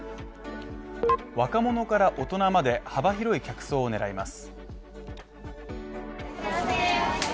若者から大人まで、幅広い客層を狙います。